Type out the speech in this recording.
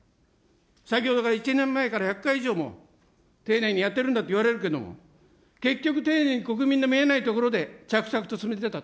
先ほどから、１年前から１００回以上も丁寧にやってるんだといわれるけども、結局丁寧に、国民の見えないところで、着々と進めてたと。